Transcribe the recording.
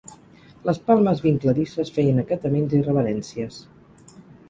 Les palmes vincladisses feien acataments i reverències…